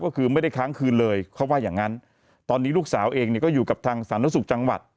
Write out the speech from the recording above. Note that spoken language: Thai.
ก็คือไม่ได้ค้างคืนเลยเขาว่าอย่างงั้นตอนนี้ลูกสาวเองเนี่ยก็อยู่กับทางสาธารณสุขจังหวัด